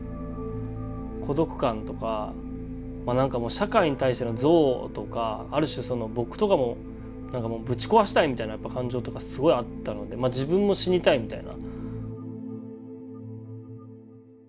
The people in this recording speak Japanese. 孤独感とかなんかもう社会に対しての憎悪とかある種その僕とかもぶち壊したいみたいな感情とかすごいあったのでま自分も死にたいみたいな。